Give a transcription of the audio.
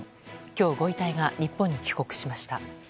今日、ご遺体が日本に帰国しました。